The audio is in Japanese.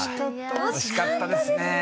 惜しかったですね。